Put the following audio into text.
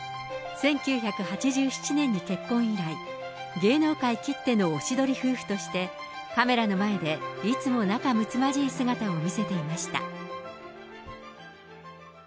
１９８７年の結婚以来、芸能界きってのおしどり夫婦として、カメラの前でいつも仲むつまじい姿を見せていました。